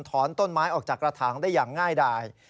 ต้นไม้ออกจากกระถางได้อย่างง่ายดาย